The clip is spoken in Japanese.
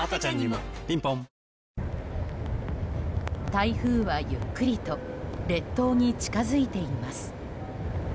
台風は、ゆっくりと列島に近づいています。